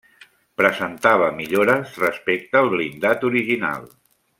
Presentava millores respecte al blindat original.